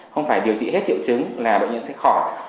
không phải điều trị hết triệu chứng là bệnh nhân sẽ khỏi